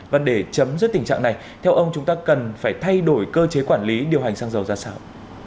và để chấm dứt tình trạng này theo ông chúng ta cần phải thay đổi cơ chế quản lý điều hành xăng dầu ra sao